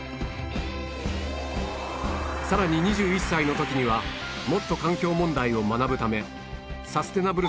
さらに２１歳の時にはもっと環境問題を学ぶためサステナブル